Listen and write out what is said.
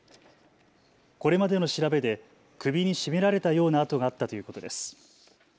これまでの調べで首に絞められたような痕があったということです。